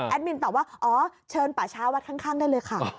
มินตอบว่าอ๋อเชิญป่าช้าวัดข้างได้เลยค่ะ